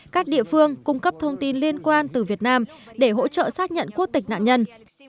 các địa phương cung cấp thông tin liên quan từ việt nam để hỗ trợ xác nhận quốc tịch nạn nhân